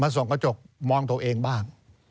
ส่งกระจกมองตัวเองบ้าง